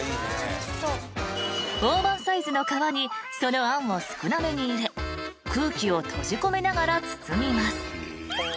［大判サイズの皮にそのあんを少なめに入れ空気を閉じ込めながら包みます］